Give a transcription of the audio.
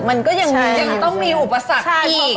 มันก็ยังต้องมีอุปกฎศักดิ์อีก